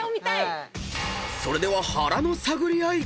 ［それでは腹の探り合い］